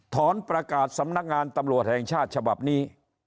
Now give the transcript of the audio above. ถอนประกาศสำนักงานตำรวจแห่งชาติฉบับนี้